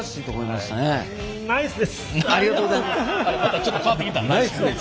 またちょっと変わってきた。